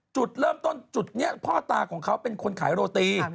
จุดเริ่มต้นจุดนี้พ่อตาของเขาเป็นคนขายโรตี